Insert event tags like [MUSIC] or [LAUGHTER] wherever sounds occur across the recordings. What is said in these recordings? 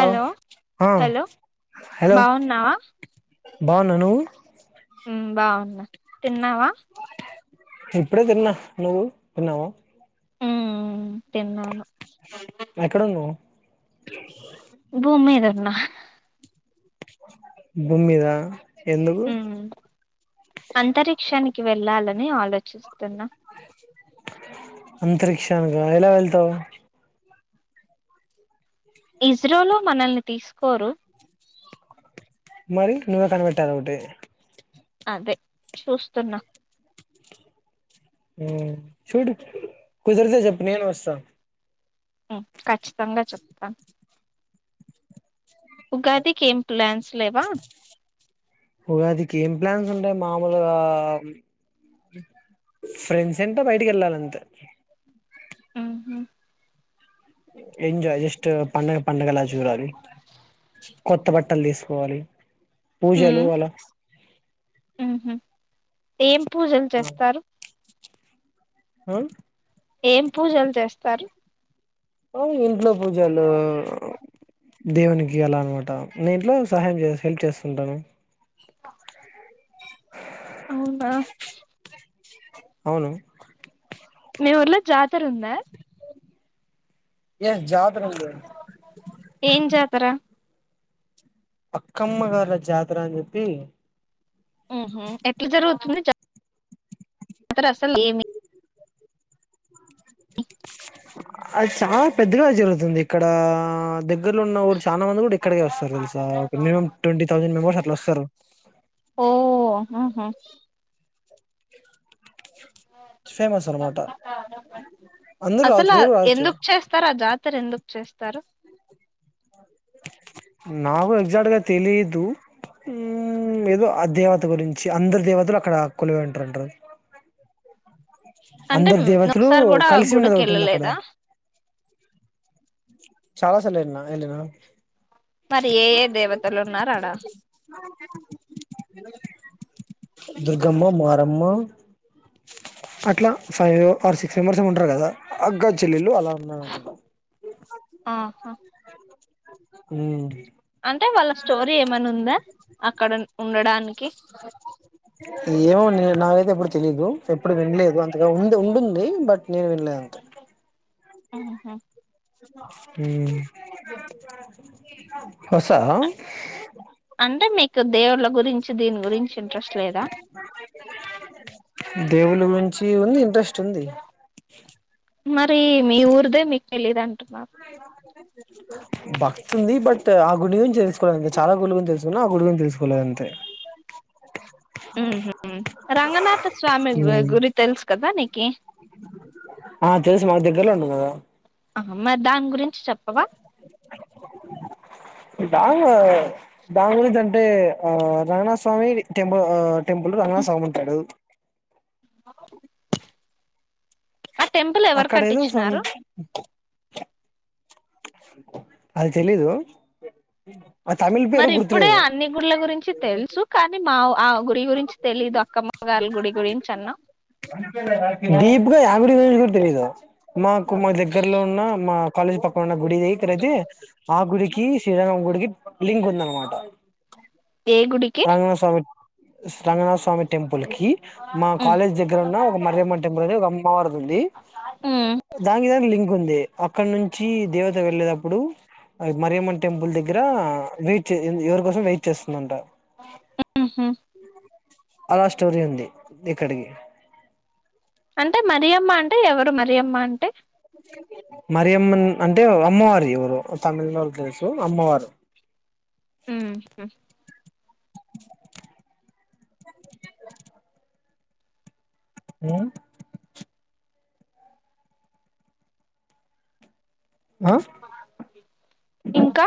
Hello అ hello hello బాగున్నావా బాగున్నా నువు ఉమ్ బాగున్నా తిన్నావా ఇప్పుడే తిన్నా, నువ్వు తిన్నావా ఉ తిన్నాను ఎక్కడన్నావు భూమి మీదున్నా భూమ్మిదా ఉమ్ అంతరిక్షానికి వెళ్ళాలని ఆలోచి చూస్తున్న అంతరిక్షానికా ఎలా వెళ్తావు ఇస్రోలో మనల్ని తీసుకోరు మరి నువ్వే కనిపెట్టాలా ఒకటి అదె చూస్తున్నా ఉమ్ చూడు కుదిరితే చెప్పు నేను వస్తాను ఆ ఖచ్చితంగా చెప్తా ఉగాదికి ఏం ప్లాన్స్ లేవా ఉగాదికి ఏం ప్లాన్స్ ఉంటాయి మామూలుగా ఫ్రెండ్స్ అంటే బయటికి వెళ్ళాలి అంతే ఆ హ ఎంజాయ్ జస్ట్ పండగ పండగలా చూడాలి కొత్త బట్టలు తీసుకోవాలి పూజలు అలా ఉ హు ఏం పూజలు చేస్తారు ఆ ఏం పూజలు చేస్తారు మామూలు ఇంట్లో పూజలు దేవునికి అలా అన్నమాట నేను ఇంట్లో సహాయం చే హెల్ప్ చేస్తుంటాను అవును రా అవును మీ ఊర్లో జాతర ఉందా ఏ జాతర ఉంది ఏం జాతర అక్కమ్మ గార్ల జాతర అని చెప్పి ఉహు ఎట్లా జరుగుతుంది చెప్ తర అసలు అది చాలా పెద్దగా జరుగుతుంది ఇక్కడా దగ్గర్లో ఉన్న కూడా చానా మంది కూడ ఇక్కడికే వస్తారు తెలుస ఒక మినిమమ్ ట్వంటీ తౌసండు మెంబర్స్ అలా వస్తారు ఓ ఉహు ఫేమస్ అనమాట అందరు రావచ్చు అసలు మీరు రావచ్చు ఎందుకు చేస్తారు ఆ జాతర ఎందుకు చేస్తారు నాకు ఎగ్జాక్ట్ గా తెలీదు ఉ ఏదో ఆ దేవత గురించి అందరు దేవతలు అక్కడ కొలివయి ఉంటారంట అంటే అందరు మ్, దేవతలు ఒకసారి కూడా ఆ కలిసి ఉన్నది గుడికి ఒకటింది అక్కడ వెళ్ళలేదా చాలా సార్లు వెళ్లిన వెళ్లిన మరి ఏ ఏ దేవతలు ఉన్నారు ఆడ దుర్గమ్మ మారమ్మ అట్లా ఫైవ్ ఆర్ సిక్స్ మెంబర్స్ ఏమో ఉంటారు కదా అక్క చెల్లెల్లు అలా ఉన్నారు ఆడ ఆహా ఉ అంటే వాళ్ళ స్టోరీ ఏమైనా ఉందా అక్కడ ఉ ఉండడానికి ఏమో నేను నాకైతే ఎప్పుడు తెలీదు ఎప్పుడు వినలేదు ఉంది ఉండుండి బట్ నేను విన్లేదు అంతే ఆహాహా హుమ్మ్ వస అంటే మీకు దేవుళ్ళ గురించి దీని గురించి ఇంట్రెస్ట్ లేదా దేవుళ్ళ గురించి ఉంది ఇంట్రెస్ట్ ఉంది తి మీ ఉర్దే మీకు తెలీదా భక్తుంది బట్ ఆ గుడి గురించి తెలుసుకోలే చాలా గుడి గురించి తెలుసుకున్నా గుడి గురించి తెలుసుకోలేదు అంతే ఉహుమ్ రంగనాథ స్వామి గు ఉమ్ గురి తెలుసు కదా నీక్ కే ఆ తెల్సు మా దగ్గర్లో ఉంది కదా ఆ మరి దాని గురించి చెప్పవా దాన్ ఆ దాని గురించి అంటే ఆ రంగనాథ స్వామి విత్ టెంపుల్ ఆ టెంపుల్ రంగా సాగు ఉంటాడు అ ఆ టెంపుల్ ఎవరు అక్కడ ఏదో సం కట్టించినారు అది తేలిదు మరి ఇప్పుడే అన్ని గుళ్ల గురించి తెలుసు కానీ మా ఆ గుడి గురించి తెలీదు అక్కమ్మ వాల్ గుడి గురించి అన్నా డీప్ గా ఆ గుడి గురించి కూడా తెలీదు మాకు మా దగ్గరలో ఉన్న మా కాలేజీ పక్కన ఉన్న గుడి దగ్గర అయితే ఆ గుడికి శ్రీరామ గుడికి లింక్ ఉందన్నమాట ఏ గుడికి రంగనాథ స్వామి స్ రంగనాథ స్వామి టెంపు పులికి మా ఉమ్ కాలేజ్ దగ్గర ఉన్న ఒక మరియమ్మ టెంపుల్ ద ఓక్ మారుతుంది ఉమ్ దానికి దా లిం ఉంది అక్కడ నుంచి దేవత వెళ్లే తపుడు మరియమ్మ టెంపుల్ దగ్గర ఆ వెయిట్ చే ఎంద్ ఎవరి కోసం వెయిట్ చేస్తుందంట ఉహ్ అలా స్టోరీ ఉంది ఇక్కడికి అంటే మ మరియమ్మ అంటే ఎవరు మరియమ్మ అంటే మరి అమ్మన్ అంటే అమ్మవారు ఎవరు తమిళనాడు తెలుసు అమ్మవారు ఆ ఆ ఆ ఇంకా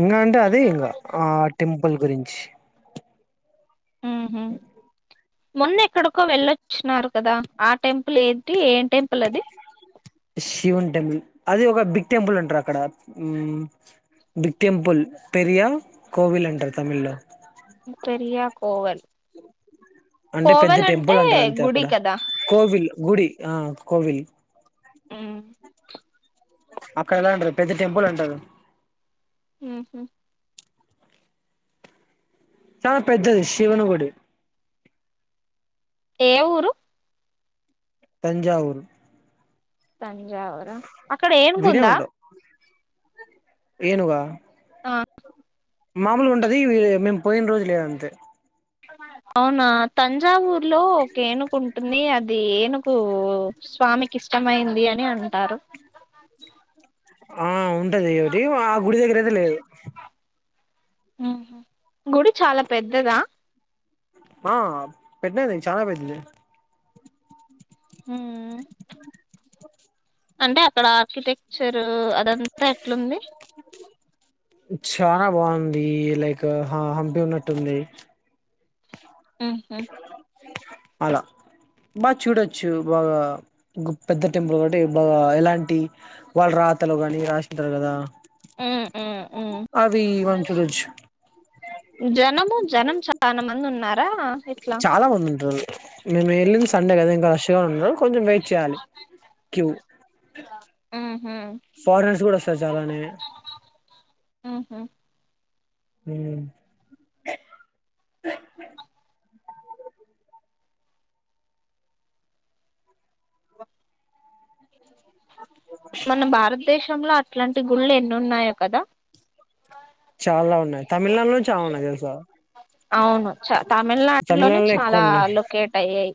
ఇంకా అంటే అదే ఇంకా ఆ టెంపుల్ గురి ఉహ మొన్న ఎక్కడికో వెళ్ళొచ్చిన్నారు కదా ఆ టెంపుల్ ఏంటి ఏం టెంపుల్ అది శివున్ టెంబుల్ అది ఒక బిగ్ టెంపుల్ అంటారు అక్కడ హ్మ్ బిగ్ టెంపుల్ పెరియా కోవిల్ అంటారు తమిళ్లో పెరియా కోవల్ అంటే పెద్ద కోవల్ అంటే టెంపుల్ అంటారు అంతే గుడి అక్కడ కదా కోవిల్ గుడి ఆ కోవిల్ హ్మ్ అక్కడదా అంటరు పెద్ద టెంపుల్ అంటారు హ్మ్ హు చాలా పెద్దది శివుని గుడి ఏ ఊరు తంజావూరు తంజావురా అక్కడ వినే ఏనుగుందా ఉండవు ఏనుగా ఆ మామూలుగా ఉంటది మేము పోయిన రోజు లేదంతే అవునా తంజావూరు లో ఒకేనుకుంటుంది అది అది ఏనుగు స్వామికి ఇష్టమైంది అని అంటారు ఆ ఉం ఉన్నదేమిటి ఆ గుడి దగ్గర ఏమి లేదు ఉహు గుడి చాలా పెద్దదా ఆ పెద్దది చానా పెద్దది ఉ ఉ అంటే అక్కడ అక్కితే చనా బాగుంది లైక్ ఆ హంపి ఉన్నట్టుంది మ్ ఉ అల బాగా చూడొచ్చు, బాగా పెద్ద టెంపుల్ కాటి బాగా ఎలాంటి వాళ్ళు రాతలు కానీ రాసంటారు కదా ఉమ్ ఉమ్ ఉమ్ ఆవి [UNINTELLIGIBLE] చాన మంది ఉన్నారా ఇట్లా చాలా మంది ఉంటారు మేము వెళ్ళింది సండే కదా ఇంకా ర [UNINTELLIGIBLE] కొంచెం వెయిట్ చేయాలి క్యూ ఉహు ఫారినర్స్ కూడా వస్తారు చాలానే ఉహు. హ్మ్ మన బారత్ దేశంలో అట్లాంటి గుళ్ళు ఎన్ని ఉన్నాయో కదా చాలా ఉన్నాయి్ తమిళనాడులోనే చాలా ఉన్నాయి తెలుసా అవును చ తమిళనాడులోనే ఎక్కువ చాలా ఉన్నాయి లొకేట్ అయ్యాయి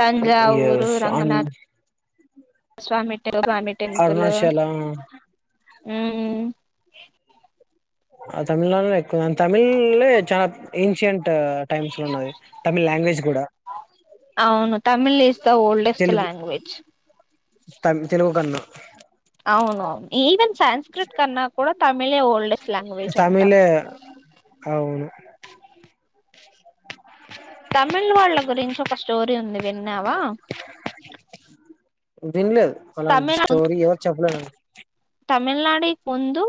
తంజావూరు ఎస్ అన్ రంగనాథ స్వామి స్వామి టెంపుల్ అరుణాచల హమ్ ఆ తమిళనాడులనే ఎక్ క తమిళ్ చాలా ఏన్షియంట్ టైమ్స్ లో ఉన్నది తమిళ్ లాంగ్వేజ్ కూడా అవును Tamil is the oldest Telugu language త తెలుగు కన్న అవును ఈవెన్ సంస్క్రిత్ కన్నా కూడా తమిళే ఓల్డెస్ట్ లాంగ్వేజ్ అంట తమిళే అవును తమిళ్ వాళ్ళ గురించి ఒక స్టోరీ ఉంది విన్నావా విన్ లేదు అలాంటి స్టోరీ ఎవరు చెప్పలేదండి తమిళనాడికి ముందు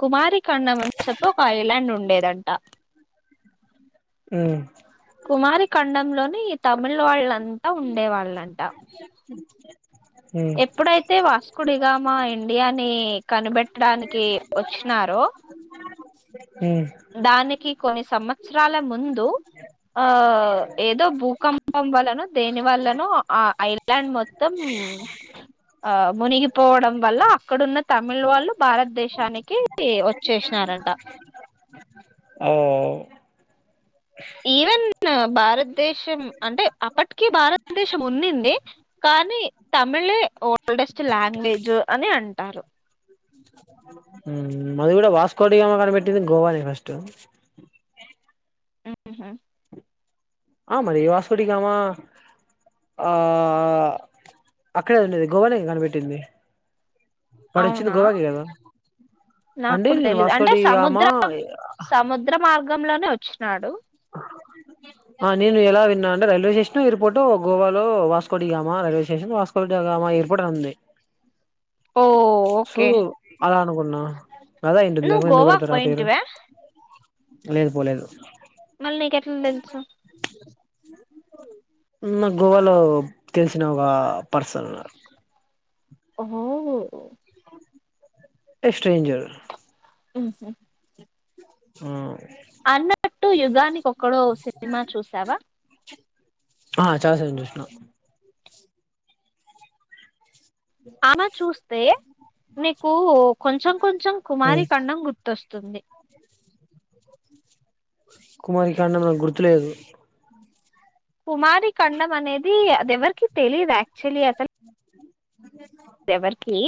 కుమారి కండమ్ అని చెప్పి ఒక ఐలాండ్ ఉండేదం ట హమ్ ని తమిళ్ వాళ్ళన్ త ఉండే వాళ్ళంట ఎప్పుడైతే వాసుకుడి గా మా ఇండియా ని కనిబెట్టి ట్టడానికి వచ్చినారో నాకు దానికి కొన్ని సంవత్సరాల ముందు ఆ ఏదో భూకంపం వల్లనో దేని వల్లనో ఆ ఐర్లాండ్ మొత్తం ఆ మునిగిపోవడం వల్ల అక్కడున్న తమిళ వాళ్ళు భారతదేశానికి వచ్చేసినారంట ఆవు ఆవు ఈవెన్ భారతదేశం అంటే అప్పటికి భారతదేశం ఉండింది కానీ తమిళే ఓల్డెస్ట్ లాంగ్వేజ్ అని అంటారు ఉ అది కూడా వాస్కోడిగామా కనిపెట్టింది గోవా నే ఫస్ట్ ఉహు ఆ మరి వాస్కోడిగామా ఆ అక్కడే కదా ఉండేది గోవనేగ కనిపెట్టింది వాడు వచ్చింది అవునా గోవాకే కదా అంటే నాక్కూడా నేను తెలియదు అంటే వాస్కోడిగామా సముద్ర సముద్ర మార్ ర్గంలోనే వచ్చినాడు ఆ నేను ఎలా విన్నా అంటే రైల్వే స్టేషను ఎయిర్పోర్టు గోవాలో Vasco da Gama railway station Vasco da Gama airport అని ఉంది ఓ సో ఓకే అలా అనుకున్నా అదే అయి ఉంటది నువ్వు లేపోతే ఎందుకు గోవాకు పెడతారు ఆ పేరు పోయింటివా లేదు పోలేదు మళ్ళీ నీకెట్లా తెలుసు ఉమ్ నాకు గోవాలో తెలిసిన ఒక పర్సన్ ఉన్నారు ఓహో ఎ స్ట్రేంజర్. ఊహు ఊ అన్నట్టు యుగానికి ఒక్. కొడో సినిమా చూసావా. ఆ చాలా సార్లు చూస్న. అలా చూస్తే. మీకు కొంచెం. కొంచెం కుమారి ఖండం గుర్తొస్. తుంది. కుమారి ఖండం నాకు గుర్తులేదు. కుమారి ఖండం అనేది. అది ఎవరికి తెలీదు యాక్చల్లి అసల్. ఎవరికీ,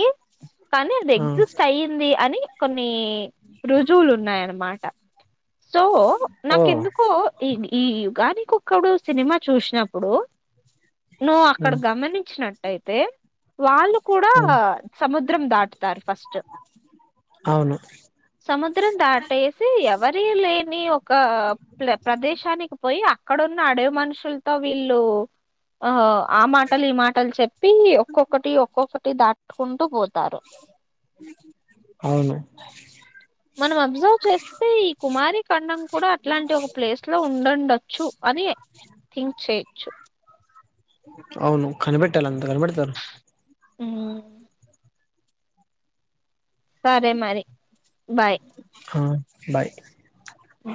కానీ అది ఆ ఎగ్జిస్ట్ అయ్యింది అని. నీ రుజువులు ఉన్నాయన్నమాట. సో ఓ నాకేందుకో ఇది. ఈ యుగానికొక్కడు సినిమా చూసినప్పుడు. నువ్వు అక్కడ ఉమ్ గమనించినట్. అయితే వాళ్ళు. కూడా ఉమ్ సముద్రం దాటుతారు ఫస్ట్. అవును సముద్రం దాటేసి ఎవరీ లేని ఒక ప్ల ప్రదేశానికి పోయి ఆ. క్కడున్న అడవి మనుషుల్తో వీళ్ళు ఆ. ఆ మాటలు, ఈ మాటలు చెప్. ప్పీ ఒక్కొక్కటి ఒక్కొక్కట్. టి దాటుకుంటూ పోత్. అవును. మనం అబ్జర్వ్ చేస్తే ఈ కుమారి ఖండం కూడా అట్లాంటి ఒక ప్లేస్ లో ఉండొండొచ్చు అని థింక్ చేయెచ్చు. అవును కనిబెట్టలా అంతే కనిబెడతారు. ఊ సరే మరి బాయ్. ఆ బాయ్ ఊ